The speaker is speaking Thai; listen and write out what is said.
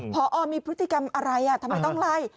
พอมีพฤติกรรมอะไรทำไมต้องไล่